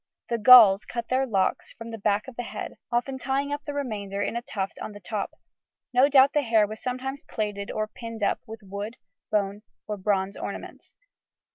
The Gauls cut their locks from the back of the head, often tying up the remainder in a tuft on the top; no doubt the hair was sometimes plaited or pinned up with wood, bone, or bronze ornaments.